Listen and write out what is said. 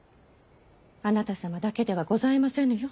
あなた様だけではございませぬよ。